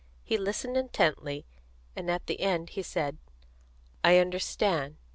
He listened intently, and at the end he said: "I understand.